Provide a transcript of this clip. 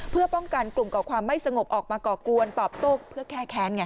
เพื่อป้องกันกลุ่มก่อความไม่สงบออกมาก่อกวนตอบโต้เพื่อแก้แค้นไง